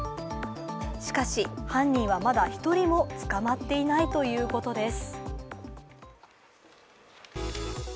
しかし、犯人はまだ１人とも捕まっていないということです。